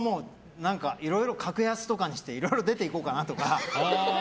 いろいろ格安とかにしていろいろ出て行こうかなとか。